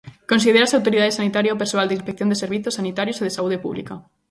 Considérase autoridade sanitaria o persoal de inspección de servizos sanitarios e de saúde pública.